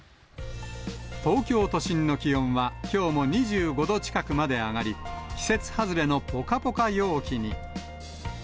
東京都心の気温は、きょうも２５度近くまで上がり、季節外れのぽかぽか陽気に。